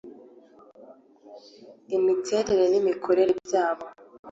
imiterere n imikorere byacyo